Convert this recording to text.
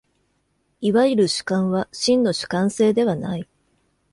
いわゆる主観は真の主観性ではない。